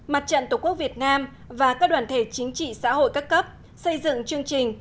mặt trận tổ quốc việt nam và các đoàn thể chính trị xã hội các cấp xây dựng chương trình